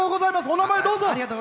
お名前、どうぞ。